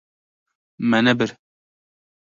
Me nebir.